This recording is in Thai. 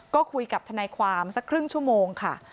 ก็คุยกับทนายความสักครึ่งชั่วโมงค่ะ